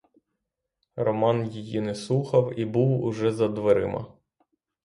Роман її не слухав і був уже за дверима.